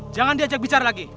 jangan diajak bicara lagi